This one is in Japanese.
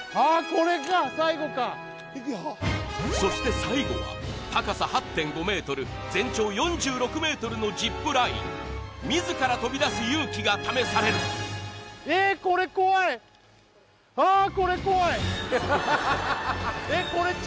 これか最後かそして最後は高さ８．５ｍ全長４６ｍのジップライン自ら飛び出す勇気が試されるああ